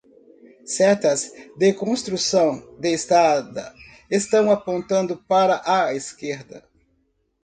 Setas de construção de estrada estão apontando para a esquerda